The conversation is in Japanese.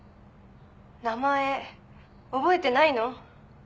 名前覚えてないの？